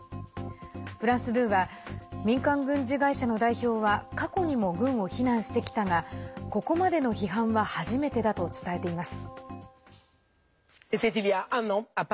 フランス２は民間軍事会社の代表は過去にも軍を非難してきたがここまでの批判は初めてだと伝えています。